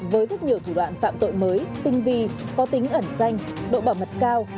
với rất nhiều thủ đoạn phạm tội mới tinh vi có tính ẩn danh độ bảo mật cao